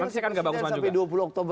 nanti kan gak bagus banget juga